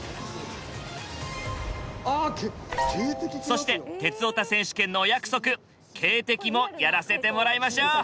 そして「鉄オタ選手権」のお約束警笛もやらせてもらいましょう。